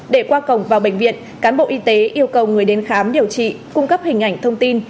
để qua cổng vào bệnh viện cán bộ y tế yêu cầu người đến khám điều trị cung cấp hình ảnh thông tin